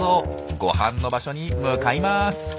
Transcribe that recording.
ご飯の場所に向かいます。